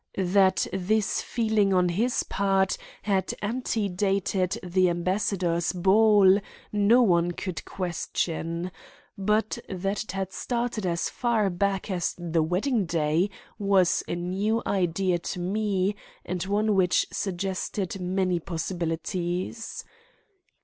That this feeling on his part had antedated the ambassador's ball no one could question; but that it had started as far back as the wedding day was a new idea to me and one which suggested many possibilities.